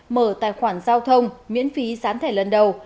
mở tài khoản giao thông miễn phí gián thẻ lần đầu